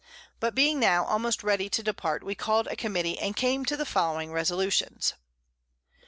But being now almost ready to depart, we call'd a Committee, and came to the following Resolutions.